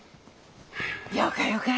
よかよか。